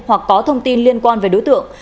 hoặc có thông tin liên quan về đối tượng